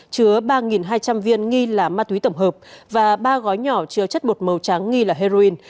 chứa ba hai trăm linh viên nghi là ma túy tổng hợp và ba gói nhỏ chứa chất bột màu trắng nghi là heroin